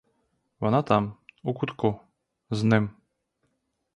Вона там, у кутку, з ним.